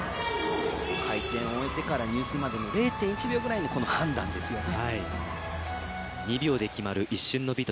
回転を終えてから入水までの０．１秒ぐらいのこの判断ですよね。